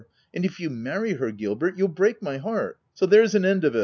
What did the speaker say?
And if you do marry her Gilbert, you'll break my heart — so there's an end of it."